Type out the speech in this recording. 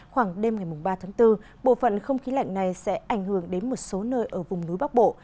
khoảng đêm ngày ba tháng bốn bộ phận không khí lạnh này sẽ ảnh hưởng đến một số nơi ở vùng núi bắc bộ